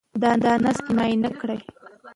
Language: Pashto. دا نسج معاینه کېږي.